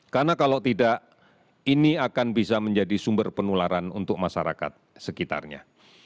karena kalau tidak ini akan bisa menjadi sumber penularan untuk masyarakat sekitarnya